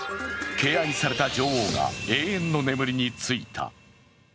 敬愛された女王が永遠の眠りについた。